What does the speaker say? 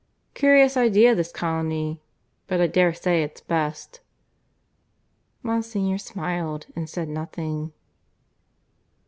"Curious idea this colony; but I dare say it's best." Monsignor smiled and said nothing.